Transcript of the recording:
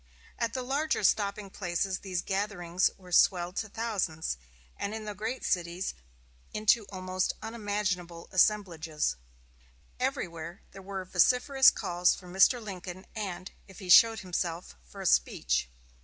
At the larger stopping places these gatherings were swelled to thousands, and in the great cities into almost unmanageable assemblages. Everywhere there were vociferous calls for Mr. Lincoln, and, if he showed himself, for a speech.